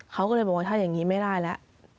เขาก็เลยบอกว่าถ้าอย่างนี้ไม่ได้แล้ว